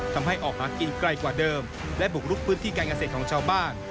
ทำให้ออกหากินไกลกว่าเดิมและบุกลุกพื้นที่การเกษตรของชาวบ้าน